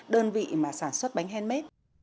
đơn vị mà sản xuất bánh handmade